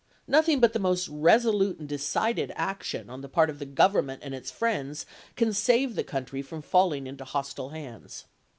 Nothing but the most resolute and decided action, on the part of the Government and its friends, can save the country from falling into hostile hands.